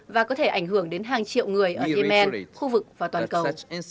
và có thể ảnh hưởng đến hàng triệu người ở yemen khu vực và toàn cầu